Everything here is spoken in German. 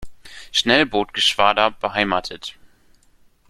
Schnellbootgeschwader beheimatet.